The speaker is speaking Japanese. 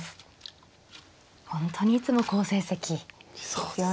本当にいつも好成績ですよね。